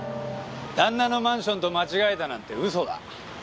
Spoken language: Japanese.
旦那のマンションと間違えたなんて嘘だ。